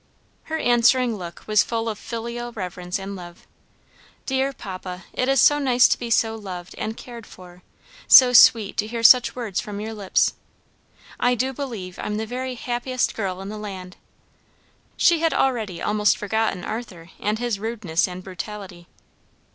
Her answering look was full of filial reverence and love. "Dear papa, it is so nice to be so loved and cared for; so sweet to hear such words from your lips. I do believe I'm the very happiest girl in the land." She had already almost forgotten Arthur and his rudeness and brutality.